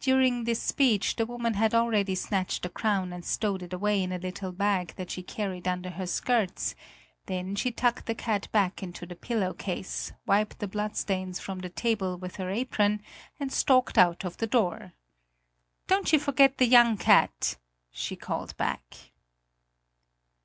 During this speech the woman had already snatched the crown and stowed it away in a little bag that she carried under her skirts, then she tucked the cat back into the pillowcase, wiped the bloodstains from the table with her apron, and stalked out of the door. "Don't you forget the young cat!" she called back.